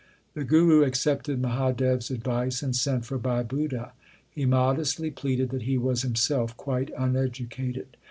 The Guru accepted Mahadev s advice and sent for Bhai Budha. He modestly pleaded that he was himself quite uneducated.